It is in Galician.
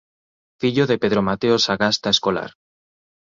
Fillo de Pedro Mateo Sagasta Escolar.